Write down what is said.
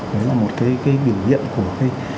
đấy là một cái biểu hiện của